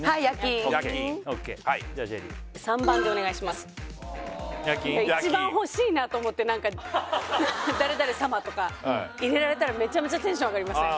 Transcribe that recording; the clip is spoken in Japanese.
焼印一番欲しいなと思って何か誰々様とか入れられたらめちゃめちゃテンション上がりません？